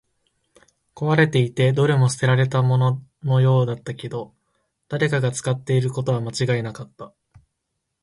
壊れていて、どれも捨てられたもののようだったけど、誰かが使っていることは間違いなかった